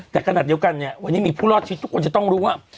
แต่ขณะเดียวกันเนี่ยวันนี้มีผู้รอดชีวิตทุกคนจะต้องรู้ว่า